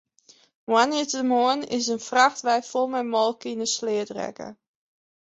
Moandeitemoarn is in frachtwein fol molke yn 'e sleat rekke.